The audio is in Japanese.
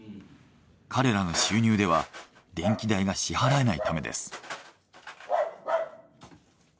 彼らの収入では電気代が支払えないためです。